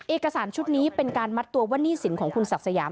เอกสารชุดนี้เป็นการมัดตัวว่าหนี้สินของคุณศักดิ์สยาม